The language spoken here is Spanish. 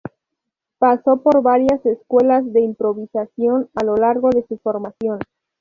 Pasó por varias escuelas de improvisación a lo largo de su formación.